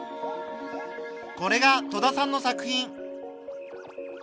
これが戸田さんの作品。